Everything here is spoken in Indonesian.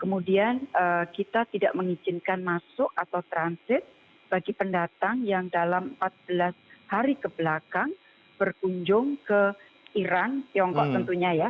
kemudian kita tidak mengizinkan masuk atau transit bagi pendatang yang dalam empat belas hari kebelakang berkunjung ke iran tiongkok tentunya ya